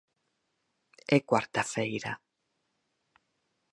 É cuarta feira.